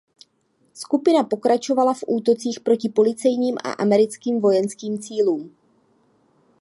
Skupina pokračovala v útocích proti policejním a americkým vojenským cílům.